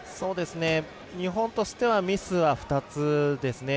日本としてはミスは２つですね。